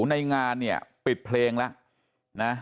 ในงานปิดเพลงแล้ว